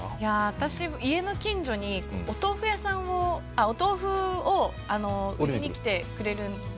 私家の近所にお豆腐屋さんをお豆腐を売りに来てくれるんですね。